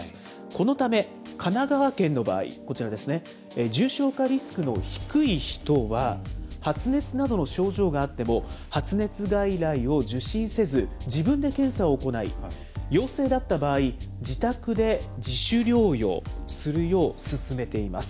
このため神奈川県の場合、こちらですね、重症化リスクの低い人は、発熱などの症状があっても、発熱外来を受診せず、自分で検査を行い、陽性だった場合、自宅で自主療養するよう勧めています。